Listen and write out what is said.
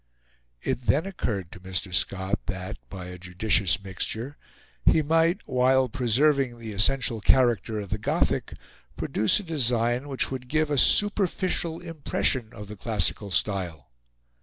It then occurred to Mr. Scott that, by a judicious mixture, he might, while preserving the essential character of the Gothic, produce a design which would give a superficial impression of the Classical style.